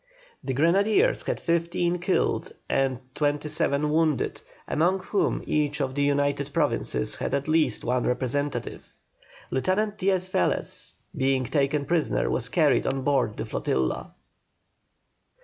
The grenadiers had fifteen killed and twenty seven wounded, among whom each of the United Provinces had at least one representative. Lieutenant Diaz Velez, being taken prisoner, was carried on board the flotilla.